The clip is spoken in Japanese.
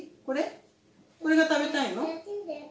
これが食べたいの？